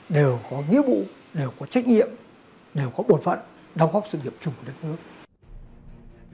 đều có nghĩa vụ đều có trách nhiệm đều có bổn phận đồng gốc sự hiệp trùng của đất nước